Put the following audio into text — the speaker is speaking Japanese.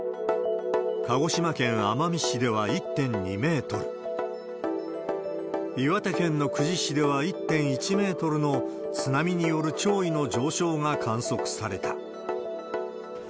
鹿児島県奄美市では１．２メートル、岩手県の久慈市では１．１メートルの津波による潮位の上昇が観測された。